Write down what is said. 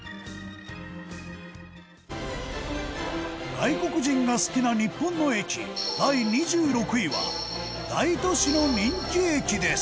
外国人が好きな日本の駅第２６位は大都市の人気駅です